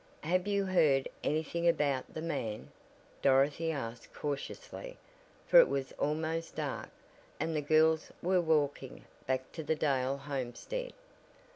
"Have you heard anything about the man?" Dorothy asked cautiously, for it was almost dark, and the girls were walking back to the Dale homestead.